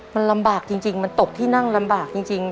มันลำบากจริงมันตกที่นั่งลำบากจริง